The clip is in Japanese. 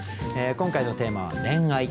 今回のテーマは「恋愛」。